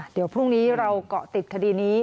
เดี๋ยวพรุ่งนี้เราเกาะติดคดีนี้